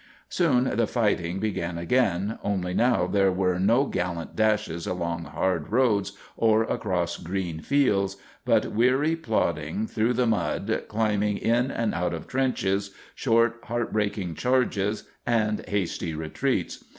Soon the fighting began again, only now there were no gallant dashes along hard roads or across green fields, but weary plodding through the mud, climbing in and out of trenches, short, heartbreaking charges, and hasty retreats.